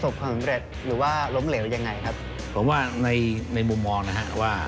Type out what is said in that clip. ก็คือคุณอันนบสิงต์โตทองนะครับ